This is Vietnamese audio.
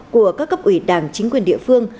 của các cấp ủy đảng chính quyền địa phương